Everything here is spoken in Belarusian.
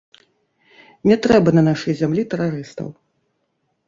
Не трэба на нашай зямлі тэрарыстаў!